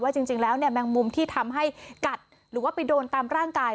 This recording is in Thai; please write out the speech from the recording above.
จริงแล้วเนี่ยแมงมุมที่ทำให้กัดหรือว่าไปโดนตามร่างกาย